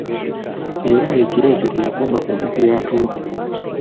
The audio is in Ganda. Era ekiro ekyo teyakomba ku mpeke ya tulo.